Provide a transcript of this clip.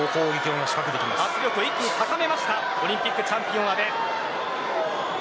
圧力を一気に高めましたオリンピックチャンピオン阿部です。